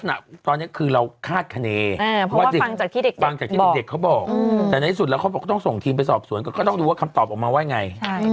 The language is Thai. มันก็อาจจะต้องมีการอะไร